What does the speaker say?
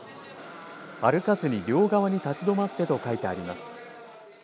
歩かずに両側に立ちどまってと書いてあります。